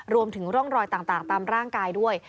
รวมถึงร่องรอยต่างตามร่างกายด้วย